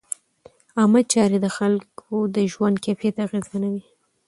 عامه چارې د خلکو د ژوند کیفیت اغېزمنوي.